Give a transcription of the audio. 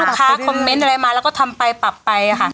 ค้าคอมเมนต์อะไรมาแล้วก็ทำไปปรับไปค่ะ